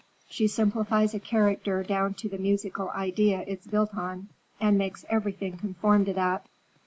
She simplifies a character down to the musical idea it's built on, and makes everything conform to that.